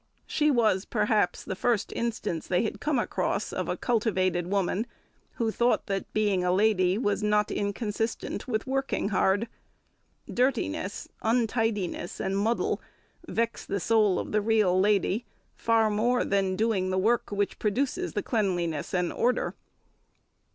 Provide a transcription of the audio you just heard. She was, perhaps, the first instance they had come across of a cultivated woman who thought that "being a lady" was not inconsistent with working hard. Dirtiness, untidiness, and muddle vex the soul of the "real lady" far more than doing the work which produces cleanliness and order.